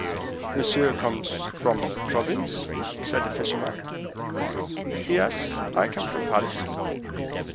"Monsieur comes from the province?" said a fisherman. "Yes, I come from Paris."